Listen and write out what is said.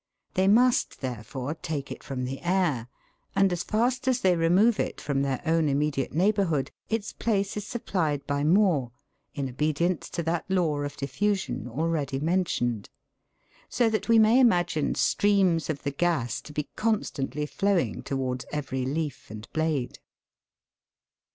They must therefore take it from the air, and as fast as they remove it from their own immediate neighbourhood, its place is supplied by more, in obedience to that law of dif fusion already mentioned ; so that we may imagine streams of the gas to be constantly flowing towards every leaf and blade.